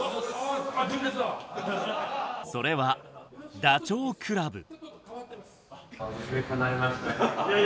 それはダチョウ倶楽部。